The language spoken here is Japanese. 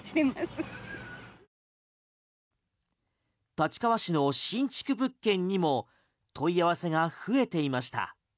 立川市の新築物件にも問い合わせが増えていました。